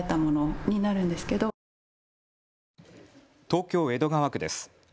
東京・江戸川区です。